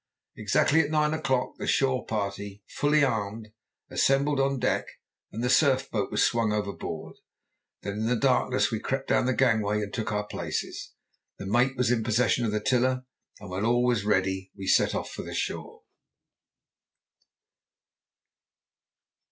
Exactly at nine o'clock the shore party, fully armed, assembled on deck, and the surf boat was swung overboard. Then in the darkness we crept down the gangway and took our places. The mate was in possession of the tiller, and when all was ready we set off for the shore.